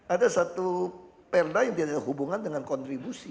ada satu perda yang tidak ada hubungan dengan kontribusi